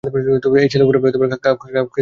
এই ছেলেগুলোর কাউকে দেখলেই, ফোন দেবেন।